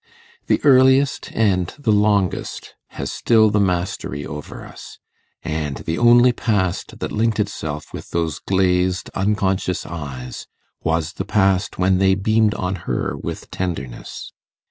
The earliest and the longest has still the mastery over us; and the only past that linked itself with those glazed unconscious eyes, was the past when they beamed on her with tenderness.